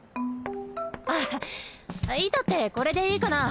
あっ板ってこれでいいかな？